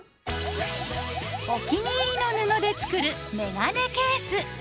お気に入りの布で作るメガネケース。